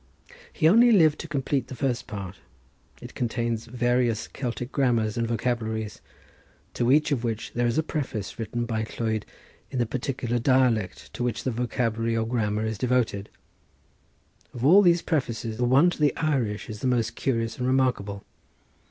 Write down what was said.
He only lived to complete the first part. It contains various Celtic grammars and vocabularies, to each of which there is a preface written by Lhuyd in the particular dialect to which the vocabulary or grammar is devoted. Of all these prefaces the one to the Irish is the most curious and remarkable.